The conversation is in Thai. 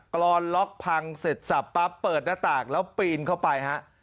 กรอนล็อกพังเสร็จสับปั๊บเปิดหน้าต่างแล้วปีนเข้าไปฮะ